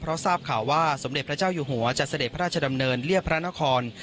เพราะทราบข่าวว่าสมเด็จพระเจ้าอยู่หัวจะเสด็จพระราชดำเนินเรียบพระนคร